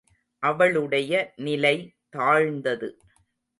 அவளுடைய நிலை தாழ்ந்தது.